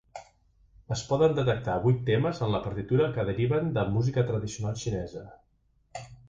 Es poden detectar vuit temes en la partitura que deriven de música tradicional xinesa.